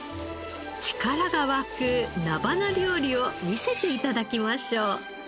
力が湧く菜花料理を見せて頂きましょう。